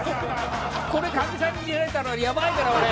これかみさんに見られたらヤバいから俺。